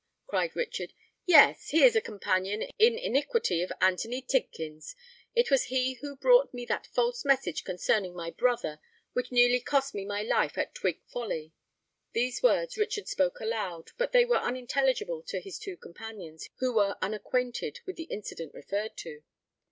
cried Richard. "Yes—he is a companion in iniquity of Anthony Tidkins: it was he who brought me that false message concerning my brother, which nearly cost me my life at Twig Folly!" These words Richard spoke aloud; but they were unintelligible to his two companions, who were unacquainted with the incident referred to.